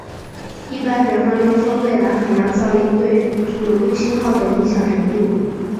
一般人们用分贝来衡量噪音对有用信号的影响程度。